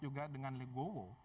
juga dengan legowo